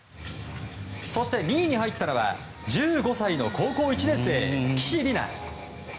そして、２位に入ったのは１５歳の高校１年生、岸里奈。